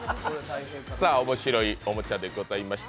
面白いおもちゃでございました。